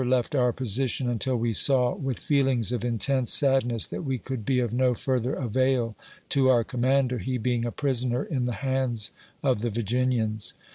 left our position until we saw, with feelings of intense sadness, that we could be of no further avail to our commander, he being a prisoner in the hands of the Virginians.